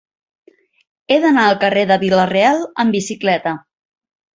He d'anar al carrer de Vila-real amb bicicleta.